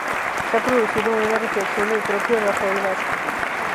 Se ha producido una reflexión del propio Rafael Blasco.